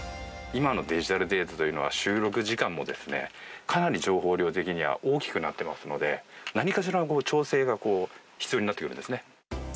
今のデジタルデータというのは、収録時間もかなり情報量的には大きくなってますので、なにかしら調整が必要になってくるんですね。